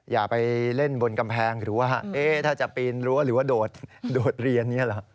อย่าไปเล่นบนกำแพงถือว่าถ้าจะปีนหรือว่าโดดเรียน